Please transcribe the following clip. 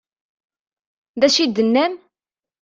D acu i d-tennam?